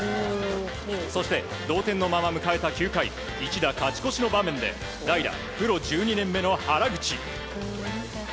そして、同点のまま迎えた９回一打勝ち越しの場面で代打、プロ１２年目の原口。